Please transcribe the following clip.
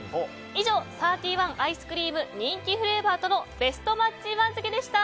以上サーティワンアイスクリーム人気フレーバーとのベストマッチ番付でした。